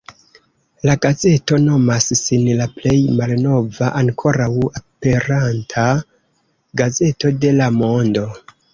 La gazeto nomas sin la plej malnova ankoraŭ aperanta gazeto de la mondo.